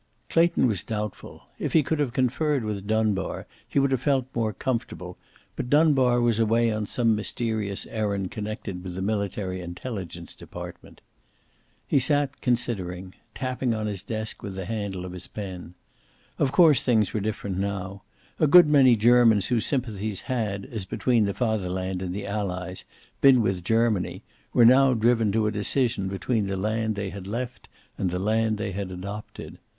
Clayton was doubtful. If he could have conferred with Dunbar he would have felt more comfortable, but Dunbar was away on some mysterious errand connected with the Military Intelligence Department. He sat considering, tapping on his desk with the handle of his pen. Of course things were different now. A good many Germans whose sympathies had, as between the Fatherland and the Allies, been with Germany, were now driven to a decision between the land they had left and the land they had adopted.